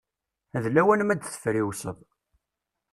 D lawan ma ad d-friwseḍ.